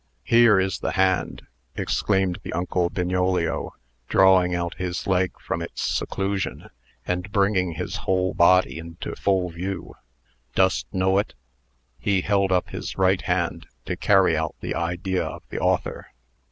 "Here is the hand!" exclaimed the uncle Bignolio, drawing out his leg from its seclusion, and bringing his whole body into full view. "Dost know it?" He held up his right hand, to carry out the idea of the author.